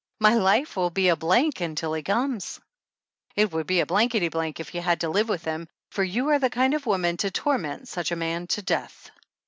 "My life will be a blank until he comes !" "It would be a blankety blank if you had to live with him, for you are the kind of woman to torment such a man to death."